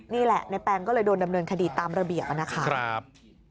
นี่แหละในแปลงก็เลยโดนดำเนินคดีตามระเบียบนะครับ